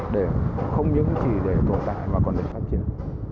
để không những chỉ để tổ tài mà còn để phát triển